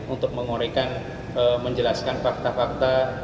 untuk mengorekan menjelaskan fakta fakta